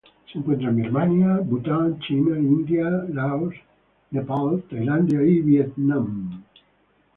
Se encuentra en Birmania, Bután, China, India, Laos, Nepal, Tailandia y Vietnam.